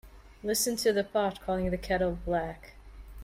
Listen to the pot calling the kettle black.